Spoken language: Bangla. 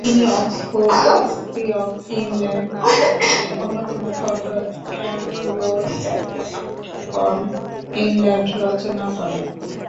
তিনি অক্সফোর্ড হিস্ট্রি অফ ইংল্যান্ড-এর অন্যতম খণ্ড অ্যাংলো-স্যাক্সন ইংল্যান্ড রচনা করেন।